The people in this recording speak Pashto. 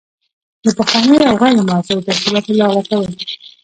د پخوانیو او غیر مؤثرو تشکیلاتو لغوه کول.